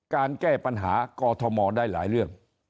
การแก้ปัญหากอทมได้หลายเรื่อง